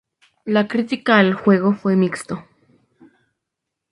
La crítica al juego fue mixto.